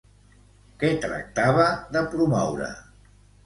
Què tractava de promoure?